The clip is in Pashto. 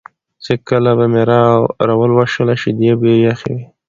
چې کله به مې راولوشله شیدې به یې یخې وې